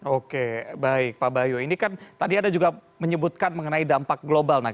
oke baik pak bayu ini kan tadi ada juga menyebutkan mengenai dampak global